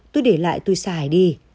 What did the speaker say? tôi để lại tôi xài đi